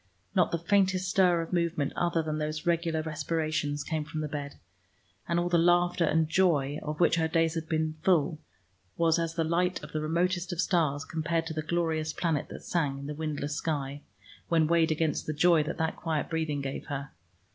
Not the faintest stir of movement other than those regular respirations came from the bed, and all the laughter and joy of which her days had been full was as the light of the remotest of stars compared to the glorious planet that sang in the windless sky, when weighed against the joy that that quiet breathing gave her.